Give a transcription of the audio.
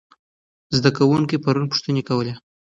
زده کوونکي پرون پوښتنې کولې.